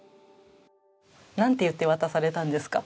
何と言って渡されたんですか？